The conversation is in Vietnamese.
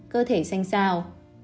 cơ thể xanh sao